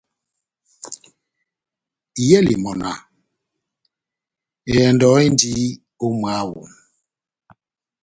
Iyɛli mɔ́náh :« ehɛndɔ endi ó mwáho. »